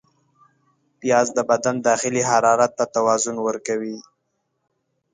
پیاز د بدن داخلي حرارت ته توازن ورکوي